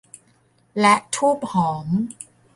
และธูปหอม